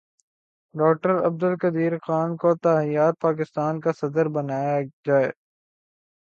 doctor Abdul Qadeer Khan کو تا حیات پاکستان کا صدر بنایا جائے